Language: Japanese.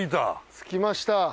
着きました。